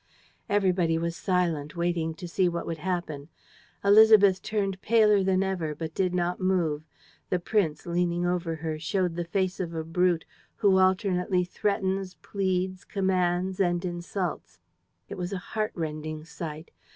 Everybody was silent, waiting to see what would happen. Élisabeth turned paler than ever, but did not move. The prince, leaning over her, showed the face of a brute who alternately threatens, pleads, commands and insults. It was a heart rending sight.